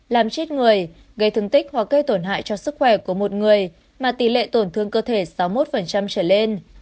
làm chết người gây thương tích hoặc gây tổn hại cho sức khỏe của một người mà tỷ lệ tổn thương cơ thể sáu mươi một trở lên